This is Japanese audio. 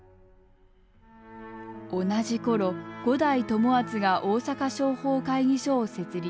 同じ頃五代友厚が大阪商法会議所を設立。